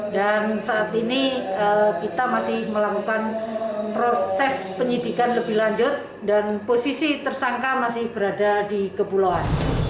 dan saat ini kita masih melakukan proses penyidikan lebih lanjut dan posisi tersangka masih berada di kebulauan